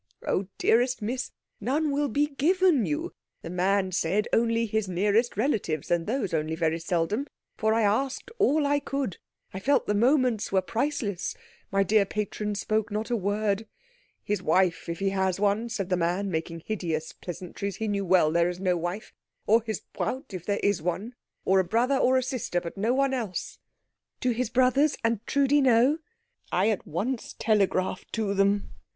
"Oh, dearest Miss, none will be given you. The man said only his nearest relatives, and those only very seldom for I asked all I could, I felt the moments were priceless my dear patron spoke not a word. 'His wife, if he has one,' said the man, making hideous pleasantries he well knew there is no wife or his Braut, if there is one, or a brother or a sister, but no one else." "Do his brothers and Trudi know?" "I at once telegraphed to them."